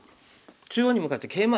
中央に向かってケイマ。